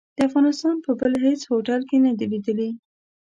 د افغانستان په بل هيڅ هوټل کې نه دي ليدلي.